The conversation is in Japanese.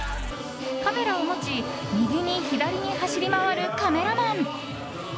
カメラを持ち右に左に走り回るカメラマン。